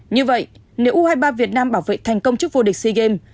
như vậy nếu u hai mươi ba việt nam bảo vệ thành công chức vô địch sea games